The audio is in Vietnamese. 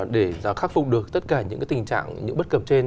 để khắc phục được tất cả những tình trạng những bất cập trên